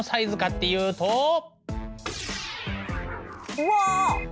うわ！